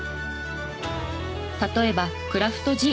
例えばクラフトジン。